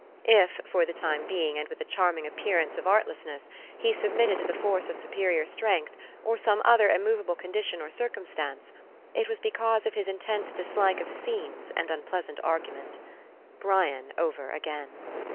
If, for the time being, and with a charming appearance of artlessness, he submitted to the force of superior strength, or some other immovable condition or circum stance, it was because of his intense dislike of scenes and unpleasant argument. Brian over again.